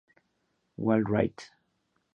Walk Rite.